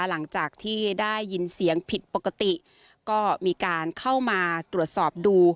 หลังจากที่ได้ยินเสียงผิดปกติก็มีการเข้ามาตรวจสอบดู